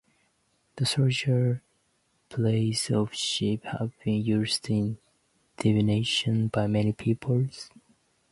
The shoulder-blades of sheep have been used in divination by many peoples.